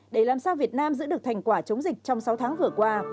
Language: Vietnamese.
để làm sao việt nam giữ được thành quả chống dịch trong sáu tháng vừa qua